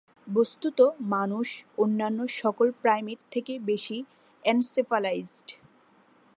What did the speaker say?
বস্তুত মানুষ অন্যান্য সকল প্রাইমেট থেকে বেশি এনসেফালাইজড।